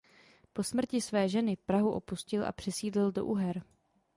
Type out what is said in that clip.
Po smrti své ženy Prahu opustil a přesídlil do Uher.